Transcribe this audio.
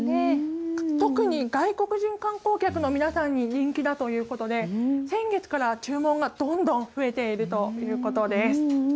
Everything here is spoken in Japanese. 特に外国人観光客の皆さんに人気だということで先月から注文がどんどん増えているということです。